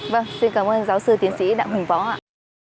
vâng xin cảm ơn giáo sư tiến sĩ đặng hùng võ ạ